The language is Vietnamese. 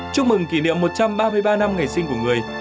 chúc mừng kỷ niệm một trăm ba mươi ba năm ngày sinh của người